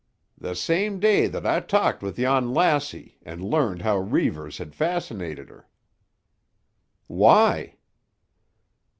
"The same day that I talked with yon lassie and learned how Reivers had fascinated her." "Why?"